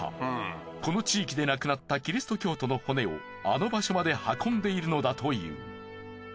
この地域で亡くなったキリスト教徒の骨をあの場所まで運んでいるのだという。